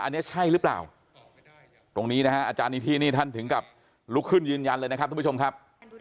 อันนี้ใช่หรือเปล่าตรงนี้นะฮะอาจารย์นิธินี่ท่านถึงกับลุกขึ้นยืนยันเลยนะครับทุกผู้ชมครับ